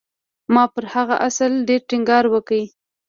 ما پر هغه اصل ډېر ټينګار وکړ.